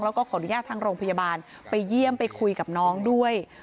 แล้วก็ขออนุญาตทางโรงพยาบาลไปเยี่ยมไปคุยกับน้องด้วย